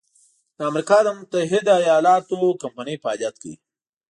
د امریکا د متحد ایلااتو کمپنۍ فعالیت کوي.